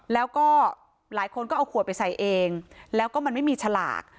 แล้วก็หลายคนก็เอาขวดไปใส่เองแล้วก็มันไม่มีฉลาก